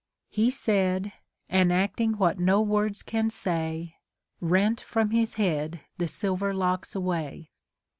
He said, and acting what no words can say, Rent from his head the silver locks away.